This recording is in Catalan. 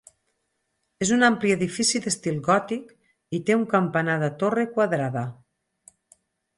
És un ampli edifici d'estil gòtic i té un campanar de torre quadrada.